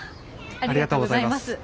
ありがとうございます。